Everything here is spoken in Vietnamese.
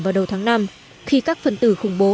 vào đầu tháng năm khi các phần tử khủng bố